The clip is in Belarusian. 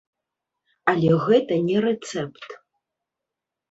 Але гэта не рэцэпт.